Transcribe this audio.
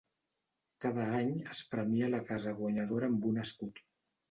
Cada any es premia la casa guanyadora amb un escut.